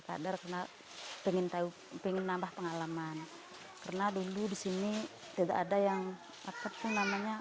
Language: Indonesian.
kader karena pengen tahu pengen nambah pengalaman karena dulu di sini tidak ada yang takut namanya